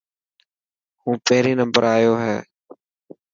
هون پهريون نمبر آيو هي.